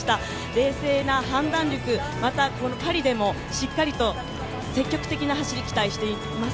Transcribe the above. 冷静な判断力、またパリでもしっかりと積極的な走り期待しています。